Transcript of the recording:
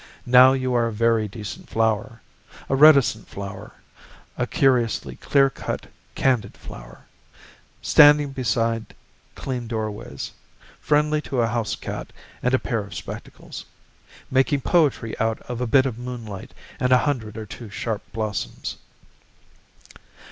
Now you are a very decent flower, A reticent flower, A curiously clear cut, candid flower, Standing beside clean doorways, Friendly to a house cat and a pair of spectacles, Making poetry out of a bit of moonlight And a hundred or two sharp blossoms.